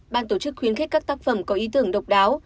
ban tổ chức khuyến khích các tác phẩm có ý tưởng độc đáo